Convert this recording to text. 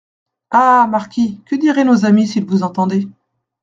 Ah ! marquis, que diraient nos amis, s'ils vous entendaient ?